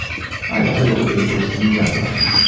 I exhibited the accustomed reverence.